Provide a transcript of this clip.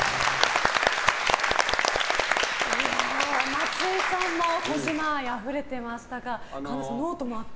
松井さんも児嶋愛にあふれてましたがノートもあって。